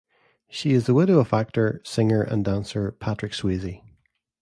She is the widow of actor, singer, and dancer Patrick Swayze.